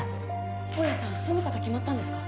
大家さん住む方決まったんですか？